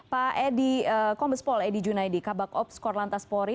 pak edi kombespol edi junaidi kabak ops korlantas polri